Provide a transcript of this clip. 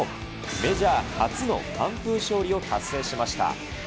メジャー初の完封勝利を達成しました。